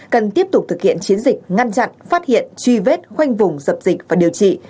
cần tiếp tục thực hiện chiến dịch ngăn chặn phát hiện truy vết khoanh vùng dập dịch và điều trị